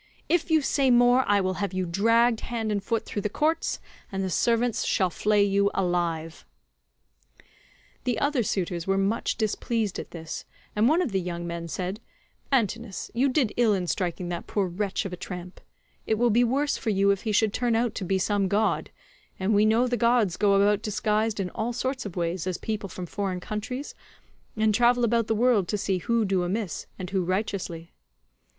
"If you say more I will have you dragged hand and foot through the courts, and the servants shall flay you alive." The other suitors were much displeased at this, and one of the young men said, "Antinous, you did ill in striking that poor wretch of a tramp: it will be worse for you if he should turn out to be some god—and we know the gods go about disguised in all sorts of ways as people from foreign countries, and travel about the world to see who do amiss and who righteously."